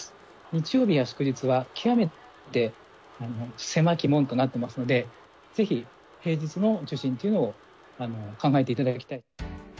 日曜日や祝日は、極めて狭き門となってますので、ぜひ平日の受診というのを考えていただきたい。